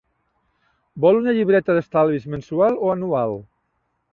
Vol un llibreta d'estalvis mensual o anual?